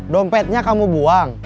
dompetnya kamu buang